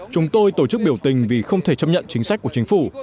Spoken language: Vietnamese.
chúng tôi tổ chức biểu tình vì không thể chấp nhận chính sách của chính phủ